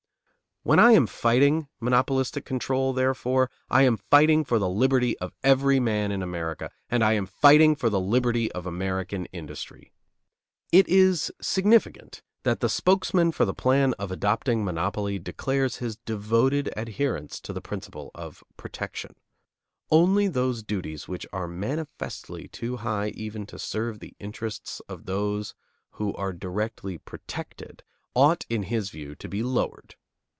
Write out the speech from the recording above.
When I am fighting monopolistic control, therefore, I am fighting for the liberty of every man in America, and I am fighting for the liberty of American industry. It is significant that the spokesman for the plan of adopting monopoly declares his devoted adherence to the principle of "protection." Only those duties which are manifestly too high even to serve the interests of those who are directly "protected" ought in his view to be lowered.